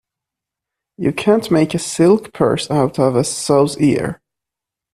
You can't make a silk purse out of a sow's ear.